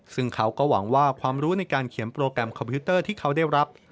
ซึ่งเขาก็หวังว่าความรู้ในการเขียนโปรแกรมคอมพิวเตอร์ที่เขาได้รับ